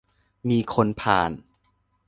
มีคนผ่าน